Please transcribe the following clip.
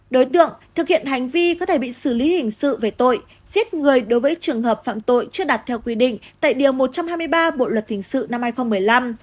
đối tượng thực hiện hành vi có thể bị xử lý hình sự về tội giết người đối với trường hợp phạm tội chưa đặt theo quy định tại điều một trăm hai mươi ba bộ luật hình sự năm hai nghìn một mươi năm